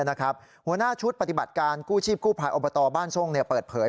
หัวหน้าชุดปฏิบัติการกู้ชีพกู้ภัยอบตบ้านทรงเปิดเผย